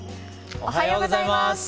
おはようございます。